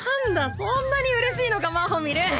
そんなにうれしいのかマホミル。